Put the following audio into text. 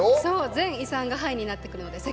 全遺産が範囲になってくるので。